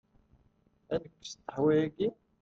Ad nekkes ṭeḥwa-agi?